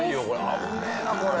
危ねえなこれ。